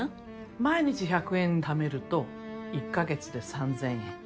毎日１００円ためると１カ月で３，０００円。